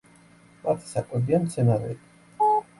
მათი საკვებია მცენარეები.